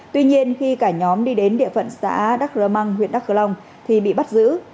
tuy nhiên khi cả nhóm đi đến địa phận xã đắc rơ măng huyện đắk cờ long thì bị bắt giữ